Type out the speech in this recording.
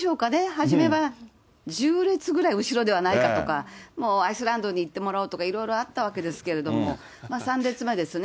はじめは１０列ぐらい後ろではないかとか、もうアイスランドに行ってもらおうとかいろいろあったわけですけれども、３列目ですね。